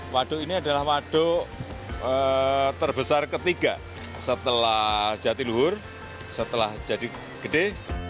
waduk ini adalah waduk terbesar ketiga setelah jatiluhur setelah jadi gede